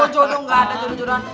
jodoh gak ada jujuran